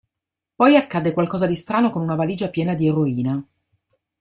Poi accade qualcosa di strano con una valigia piena di eroina.